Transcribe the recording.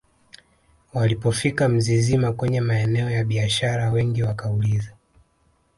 walipofika Mzizima kwenye maeneo ya biashara wengi wakauliza